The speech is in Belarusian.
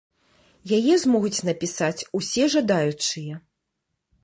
Яе змогуць напісаць усе жадаючыя.